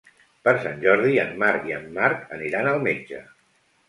Per Sant Jordi en Marc i en Marc aniran al metge.